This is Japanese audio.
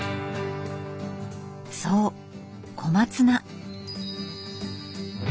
そう小松菜。